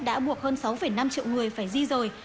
đã buộc hơn sáu năm triệu người phải di rời